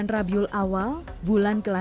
ini berapa juta juta